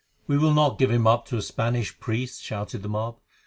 "We will not give him up to a Spanish priest," shouted the mob.